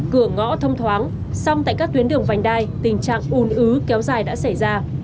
cửa ngõ thông thoáng tại các tuyến đường vành đai tình trạng ùn ứ kéo dài đã xảy ra